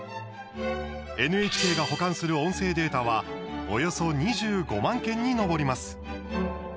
ＮＨＫが保管する音声データはおよそ２５万件に上ります。